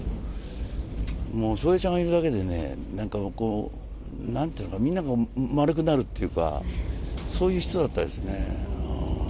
もう笑瓶ちゃんがいるだけでね、なんかなんて言うのかな、みんなが丸くなるっていうか、そういう人だったですね。